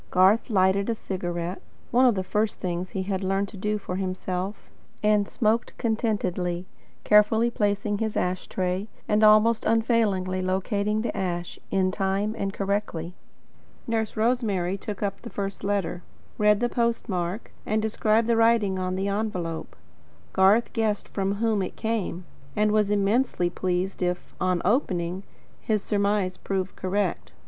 Garth lighted a cigarette one of the first things he had learned to do for himself and smoked contentedly, carefully placing his ash tray, and almost unfailingly locating the ash, in time and correctly. Nurse Rosemary took up the first letter, read the postmark, and described the writing on the envelope. Garth guessed from whom it came, and was immensely pleased if, on opening, his surmise proved correct.